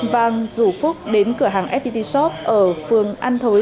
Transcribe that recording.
vâng rủ phúc đến cửa hàng fpt shop ở phường an thối